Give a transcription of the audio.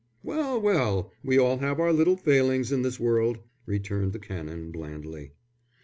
"Well, well, we all have our little failings in this world," returned the Canon, blandly.